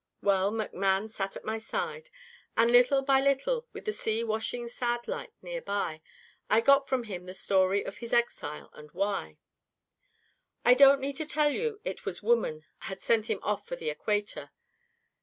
Well, McMann sat at my side, and little by little, with the sea washing sad like near by, I got from him the story of his exile, and why. "I don't need to tell you it was woman had sent him off for the equator.